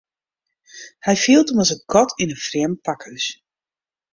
Hy fielt him as in kat yn in frjemd pakhús.